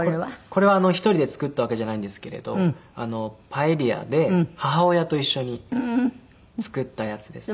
これは１人で作ったわけじゃないんですけれどパエリアで母親と一緒に作ったやつです。